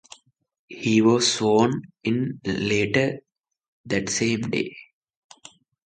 He was sworn in later that same day.